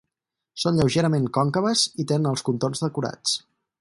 Són lleugerament còncaves i tenen els contorns decorats.